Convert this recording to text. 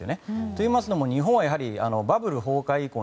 といいますのも日本はバブル崩壊以降